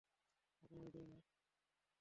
আপনার হৃদয় না।